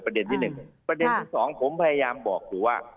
ประเด็นที่หนึ่งประเด็นที่สองผมพยายามบอกคือว่า